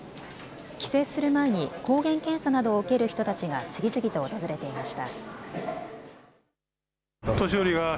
帰省する前に抗原検査などを受ける人たちが次々と訪れていました。